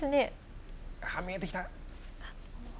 見えてきた。